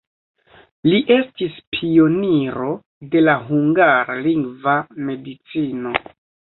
Li estis pioniro de la hungarlingva medicino.